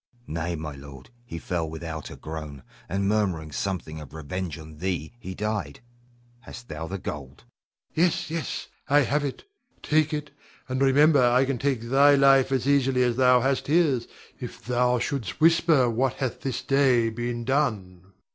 Hugo. Nay, my lord; he fell without a groan, and murmuring something of revenge on thee, he died. Hast thou the gold? Rod. Yes, yes, I have it. Take it, and remember I can take thy life as easily as thou hast his, if thou shouldst whisper what hath been this day done.